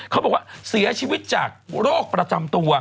เขาบอกว่าเสียชีวิตจากโรคประจำตัว